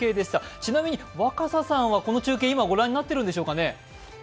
ちなみに若狭さんは、この中継今ご覧になっているんでしょうか？